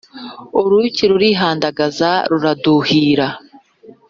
uruyuki rurihandagaza ruraduhira